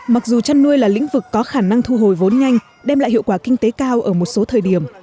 mặc dù chăn nuôi là lĩnh vực có khả năng thu hồi vốn nhanh đem lại hiệu quả kinh tế cao ở một số thời điểm